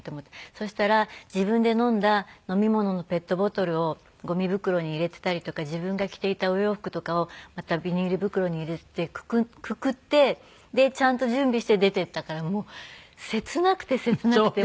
そしたら自分で飲んだ飲み物のペットボトルをゴミ袋に入れてたりとか自分が着ていたお洋服とかをまたビニール袋に入れてくくってでちゃんと準備して出ていったからもう切なくて切なくて。